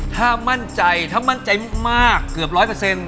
ถ้ามั่นใจถ้ามั่นใจมากเกือบร้อยเปอร์เซ็นต